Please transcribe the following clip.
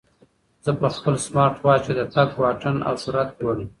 زه په خپل سمارټ واچ کې د تګ واټن او سرعت ګورم.